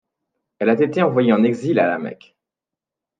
Elle a été envoyée en exil à La Mecque.